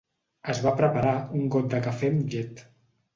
Es va preparar un got de cafè amb llet